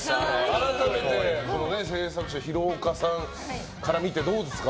改めて廣岡さんから見てどうですか？